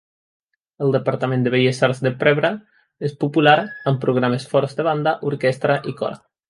El departament de belles arts de Preble és popular, amb programes forts de banda, orquestra i cor.